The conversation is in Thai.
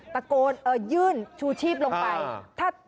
ตะโกนยื่นชูชีพลงไป